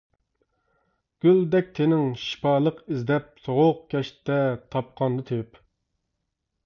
گۈلدەك تېنىڭ شىپالىق ئىزدەپ، سوغۇق كەچتە تاپقاندا تېۋىپ.